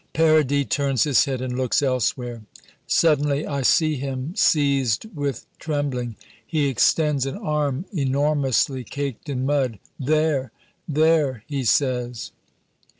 Paradis turns his head and looks elsewhere. Suddenly I see him seized with trembling. He extends an arm enormously caked in mud. "There there " he says.